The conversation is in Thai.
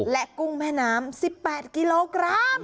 และกุ้งแม่น้ำ๑๘กิโลกรัม